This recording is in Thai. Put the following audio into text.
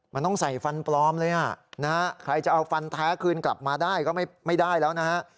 มันต้องใส่ฟันปลอมเลยอ่ะนะฮะใครจะเอาฟันแท้คืนกลับมาได้ก็ไม่ได้แล้วนะฮะ